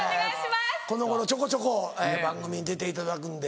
この頃ちょこちょこ番組に出ていただくんで。